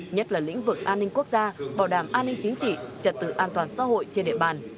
nhất là lĩnh vực an ninh quốc gia bảo đảm an ninh chính trị trật tự an toàn xã hội trên địa bàn